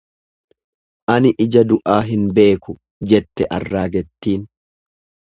Ani ija du'aa hin beeku jette arraagettiin.